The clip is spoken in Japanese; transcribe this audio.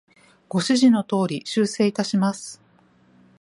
ご指示の通り、修正いたします。